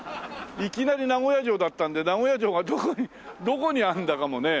いきなり名古屋城だったんで名古屋城がどこにどこにあるんだかもね。